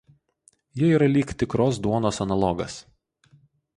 Jie yra lyg tikros duonos analogas.